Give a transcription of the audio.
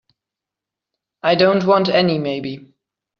I don't want any maybe.